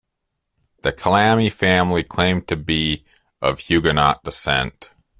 The Calamy family claimed to be of Huguenot descent.